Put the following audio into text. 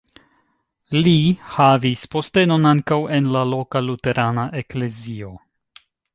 Li havis postenon ankaŭ en la loka luterana eklezio.